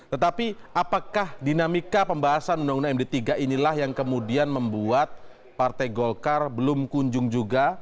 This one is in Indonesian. tetapi apakah dinamika pembahasan undang undang md tiga inilah yang kemudian membuat partai golkar belum kunjung juga